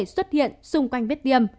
xuất hiện xung quanh vết tiêm